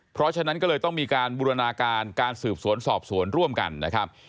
เพราะฉะนั้นก็เลยต้องมีการบูรณาการการสืบสวนสอบสวนร่วมกันนะครับ